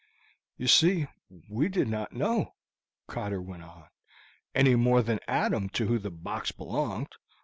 "You see, we did not know," Cotter went on, "any more than Adam, to whom the box belonged.